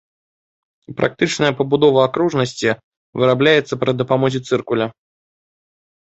Практычная пабудова акружнасці вырабляецца пры дапамозе цыркуля.